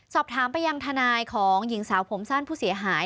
สอบถามไปยังทนายของหญิงสาวผมสั้นผู้เสียหาย